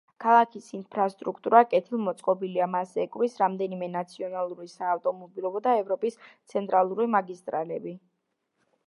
ქალაქის ინფრასტრუქტურა კეთილმოწყობილია, მას ეკვრის რამდენიმე ნაციონალური საავტომობილო და ევროპის ცენტრალური მაგისტრალები.